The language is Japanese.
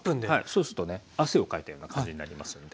そうするとね汗をかいたような感じになりますので。